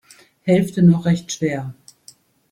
Hälfte noch recht schwer.